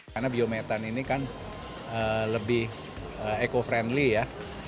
karena biometan ini kan lebih eco friendly ya